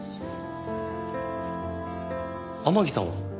天樹さんは？